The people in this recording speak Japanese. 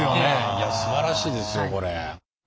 いやすばらしいですよこれ。